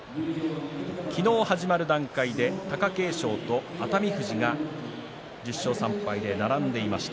昨日始まる段階で貴景勝と熱海富士が１０勝３敗で並んでいました。